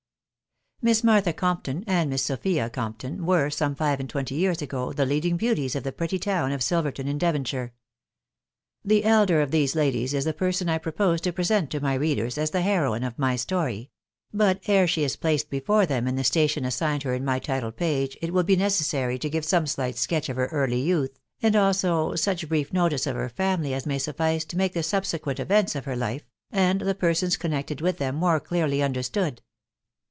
Miss Martha Compton, and Miss Sophia Compton, were, some five and twenty years ago, the leading beauties of the pretty town pi Silverton in Devonshire. The elder of these ladies is the person I propose to present to my readers as the heroine of my story; but, ere she is • placed before them in the station assigned her in my title page it will be necessary to give some slight sketch of her ' early youth, and also such brief notice of her family as may ' suffice to make the subsequent events of her life, and the per sons connected with them, more clearly understood.